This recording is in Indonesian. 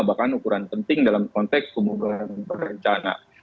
dan ukuran penting dalam konteks pembunuhan berencana